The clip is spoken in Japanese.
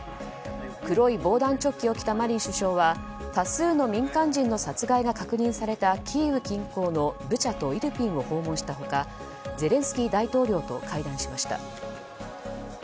黒い防弾チョッキを着たマリン首相は多数の民間人の殺害が確認されたキーウ近郊のブチャとイルピンを訪問した他ゼレンスキー大統領と会談しました。